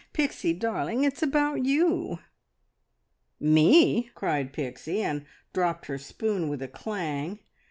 Pixie darling, it's about You." "Me!" cried Pixie, and dropped her spoon with a clang.